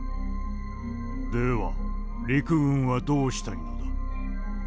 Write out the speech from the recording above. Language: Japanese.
では陸軍はどうしたいのだ。